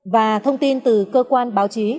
và thông tin từ cơ quan báo chí